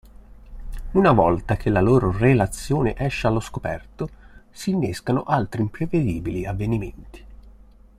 Una volta che la loro relazione esce allo scoperto, si innescano altri imprevedibili avvenimenti.